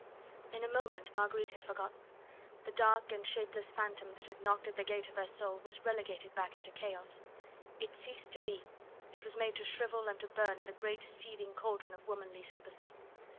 In a moment Marguerite had forgotten; the dark and shapeless phantom that had knocked at the gate of her soul was relegated back into chaos. It ceased to be, it was made to shrivel and to burn in the great seething cauldron of womanly sympathy.